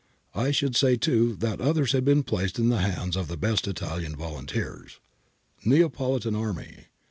I should say too that others had been placed in the hands of the best Italian volunteers.' 'Neapolitan Army.